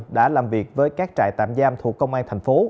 đã làm việc với các trại tạm giam thuộc công an tp hcm